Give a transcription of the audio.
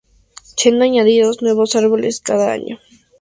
Siendo añadidos nuevos árboles cada año.